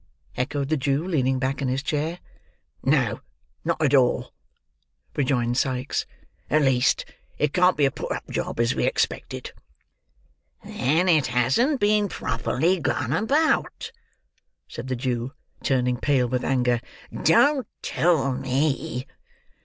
echoed the Jew, leaning back in his chair. "No, not at all," rejoined Sikes. "At least it can't be a put up job, as we expected." "Then it hasn't been properly gone about," said the Jew, turning pale with anger. "Don't tell me!"